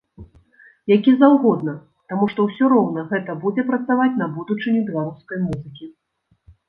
Які заўгодна, таму што ўсё роўна гэта будзе працаваць на будучыню беларускай музыкі.